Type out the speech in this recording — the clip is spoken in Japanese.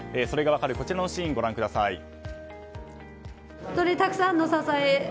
それが分かるこちらのシーンご覧ください。